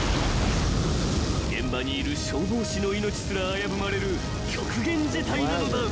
［現場にいる消防士の命すら危ぶまれる極限事態なのだ］